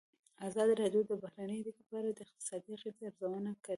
ازادي راډیو د بهرنۍ اړیکې په اړه د اقتصادي اغېزو ارزونه کړې.